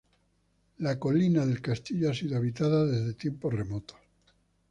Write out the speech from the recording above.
La colina del castillo ha sido habitada desde tiempos remotos.